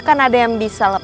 jangan sem samara